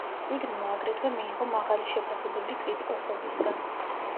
წიგნმა, აგრეთვე მიიღო მაღალი შეფასებები კრიტიკოსებისგან.